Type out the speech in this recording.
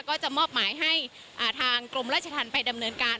ก็จะมอบหมายให้ทางกรมราชธรรมไปดำเนินการ